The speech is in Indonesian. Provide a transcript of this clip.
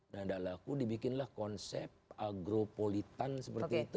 ndalaku dibikinlah konsep agropolitan seperti itu